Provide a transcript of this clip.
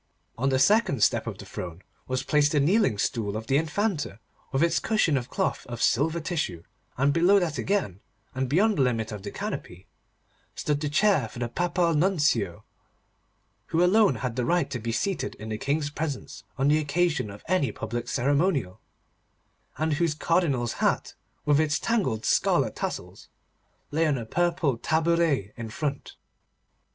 On the second step of the throne was placed the kneeling stool of the Infanta, with its cushion of cloth of silver tissue, and below that again, and beyond the limit of the canopy, stood the chair for the Papal Nuncio, who alone had the right to be seated in the King's presence on the occasion of any public ceremonial, and whose Cardinal's hat, with its tangled scarlet tassels, lay on a purple tabouret in front.